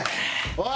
おい。